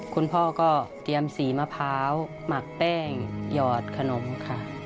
คุณพ่อก็เตรียมสีมะพร้าวหมักแป้งหยอดขนมค่ะ